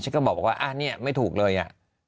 ฉันก็บอกว่าอ่ะเนี่ยไม่ถูกเลยอ่ะ